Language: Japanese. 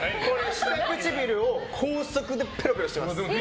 下唇を高速でペロペロしてます。